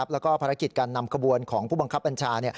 แล้วก็ภารกิจการนำขบวนของผู้บังคับบัญชา